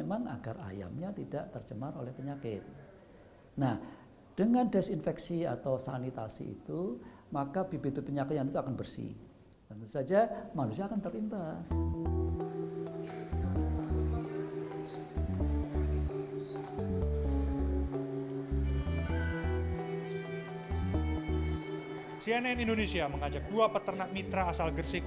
mengajak dua peternak mitra asal gersik